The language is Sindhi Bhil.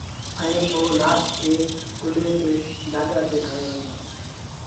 ائيٚݩ پو لآش کي کُليٚ جآڳآ کڻي وهيݩ دآ